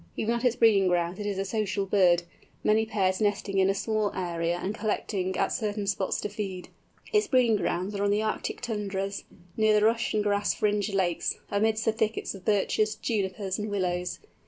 Even at its breeding grounds it is a social bird, many pairs nesting in a small area, and collecting at certain spots to feed. Its breeding grounds are on the Arctic tundras, near the rush and grass fringed lakes, amidst the thickets of birches, junipers, and willows.